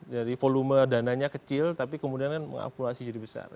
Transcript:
jadi volume dananya kecil tapi kemudian kan mengakulasi jadi besar